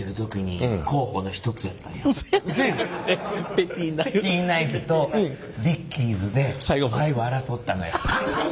ペティナイフとビッキーズで最後争ったのよ。